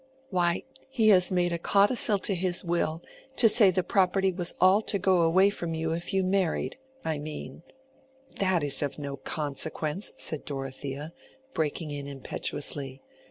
"Why, he has made a codicil to his will, to say the property was all to go away from you if you married—I mean—" "That is of no consequence," said Dorothea, breaking in impetuously.